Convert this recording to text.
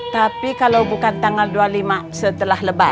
tapi kalau bukan tanggal dua puluh lima setelah lebaran